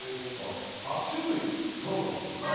８種類サウナあるんですよ。